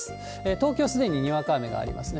東京、すでににわか雨がありますね。